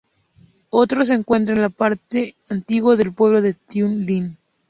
Otro se encuentra en la parte antiguo del pueblo de Tin Liu.